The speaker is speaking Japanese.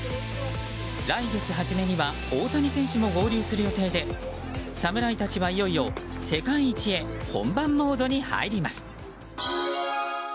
来月初めには大谷選手も合流する予定で侍たちはいよいよ世界一へ本番モードに入ります。